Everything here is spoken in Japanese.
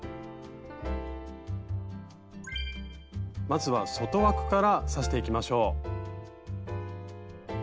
まずは外枠から刺していきましょう。